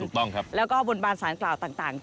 ถูกต้องครับแล้วก็บนบานสารกล่าวต่าง